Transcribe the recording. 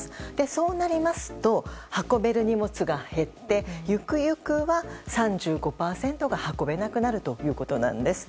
そうなりますと運べる荷物が減ってゆくゆくは３５％が運べなくなるということなんです。